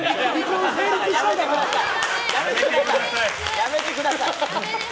やめてください！